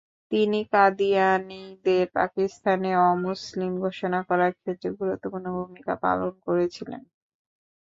তিনি কাদিয়ানীদের পাকিস্তানে অমুসলিম ঘোষণা করার ক্ষেত্রে গুরুত্বপূর্ণ ভূমিকা পালন করেছিলেন।